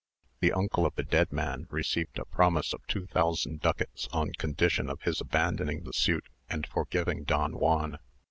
The uncle of the dead man received a promise of two thousand ducats on condition of his abandoning the suit and forgiving Don Juan.